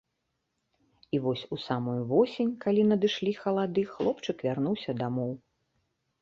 І вось у самую восень, калі надышлі халады, хлопчык вярнуўся дамоў.